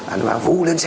anh bảo vũ lên xe